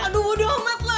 aduh waduh amat lah